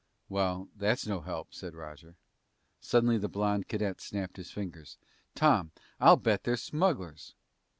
"Well, that's no help," said Roger. Suddenly the blond cadet snapped his fingers. "Tom, I'll bet they're smugglers!"